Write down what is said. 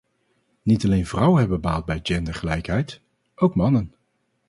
Niet alleen vrouwen hebben baat bij gendergelijkheid, ook mannen.